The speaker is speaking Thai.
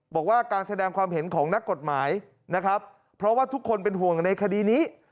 บอกว่าการแสดงความเห็นของนักกฎหมายนะครับเพราะว่าทุกคนเป็นห่วงในคดีนี้